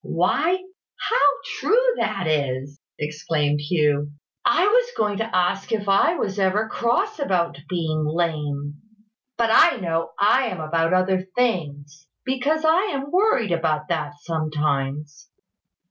"Why, how true that is!" exclaimed Hugh. "I was going to ask if I was ever cross about being lame: but I know I am about other things, because I am worried about that, sometimes."